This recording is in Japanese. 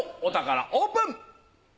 お宝オープン！